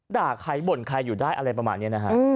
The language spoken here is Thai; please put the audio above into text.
ด่าใครบ่นใครอยู่ได้อะไรประมาณนี้นะฮะ